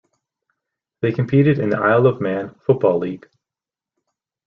They competed in the Isle of Man Football League.